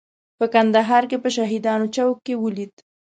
په کندهار کې په شهیدانو چوک کې ولیده.